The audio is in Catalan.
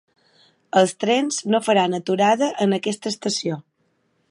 Els trens no faran aturada en aquesta estació.